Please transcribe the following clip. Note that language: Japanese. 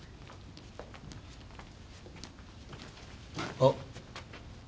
あっ。